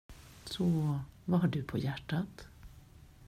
Så vad har du på hjärtat?